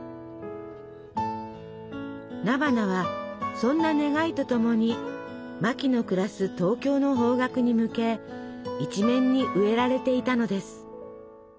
菜花はそんな願いとともにマキの暮らす東京の方角に向け一面に植えられていたのです。